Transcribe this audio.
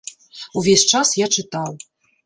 Увесь час я чытаў.